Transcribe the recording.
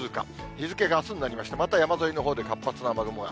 日付があすになりまして、また山沿いのほうで活発な雨雲が。